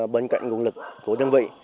bên cạnh nguồn lực của đơn vị